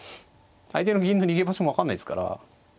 相手の銀の逃げ場所も分かんないですから。